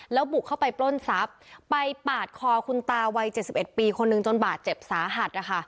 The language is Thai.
แล้วบุกเข้าไปปล้นทรัพย์ไปปาดคอคุณตาวัย๗๑ปีคนหนึ่งจนบาดเจ็บสาหัสนะคะ